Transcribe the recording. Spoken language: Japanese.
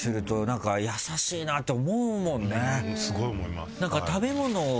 スゴい思います。